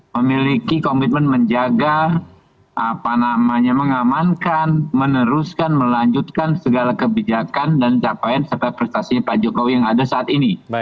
memiliki komitmen menjaga apa namanya mengamankan meneruskan melanjutkan segala kebijakan dan capaian serta prestasi pak jokowi yang ada saat ini